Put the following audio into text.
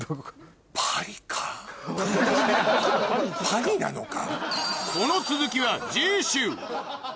パリなのか？